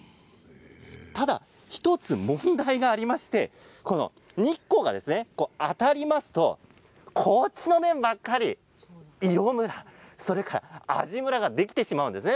ただ１つ問題がありまして日光が当たりますとこちらの面ばかり色ムラ、そして味ムラができてしまうんです。